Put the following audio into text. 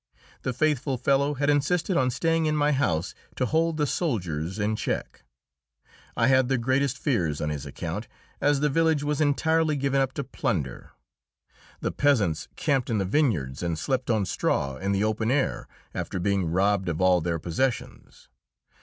The faithful fellow had insisted on staying in my house to hold the soldiers in check. I had the greatest fears on his account, as the village was entirely given up to plunder. The peasants camped in the vineyards and slept on straw in the open air, after being robbed of all their possessions.